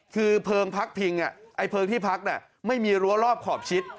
คือเพลิงพักพิงไอ้เพลิงที่พักไม่มีรั้วรอบขอบชิด